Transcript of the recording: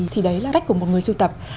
thì đấy là cách của một người siêu tập